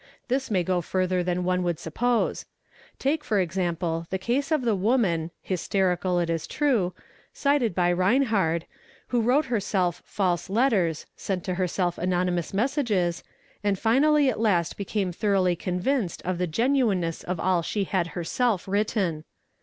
This may go further than one would suppose; take for example, the case of the woman, hysterical it is true, cited by Reinhard 9—'™, who wrote herself false letters, sent to herself anonymous messages, and finally at last became thoroughly convinced of the genuineness of all she had herself written.